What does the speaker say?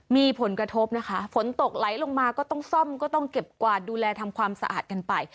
มีผลกระทบนะคะฝนตกไหลลงมาก็ต้องซ่อมก็ต้องเก็บกวาดดูแลทำความสะอาดกันไป